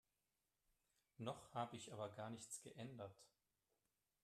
Noch habe ich aber gar nichts geändert.